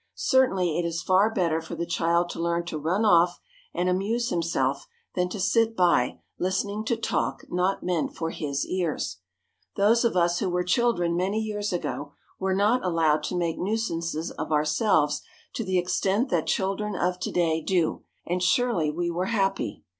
Certainly it is far better for the child to learn to run off and amuse himself than to sit by, listening to talk not meant for his ears. Those of us who were children many years ago were not allowed to make nuisances of ourselves to the extent that children of to day do, and surely we were happy.